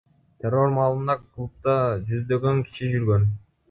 Террор маалында клубда жүздөгөн киши жүргөн.